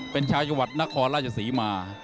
เป็นชาวจังหวัดนครราชศรีมา